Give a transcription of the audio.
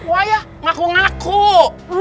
wah ya ngaku ngaku